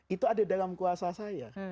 itu ada dalam kuasa saya